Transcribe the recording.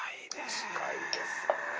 近いですね。